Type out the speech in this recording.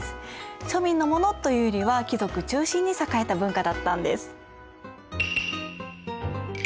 庶民のものというよりは貴族中心に栄えた文化だったんです。